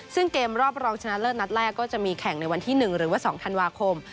ซึ่งเกมรอบรองชนะเลิศนัดแรกก็จะมีแข่งในวันที่๑หรือว่า๒ธันวาคม